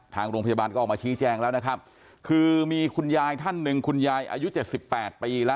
ทางโรงพยาบาลก็ออกมาชี้แจงแล้วนะครับคือมีคุณยายท่านหนึ่งคุณยายอายุเจ็ดสิบแปดปีแล้ว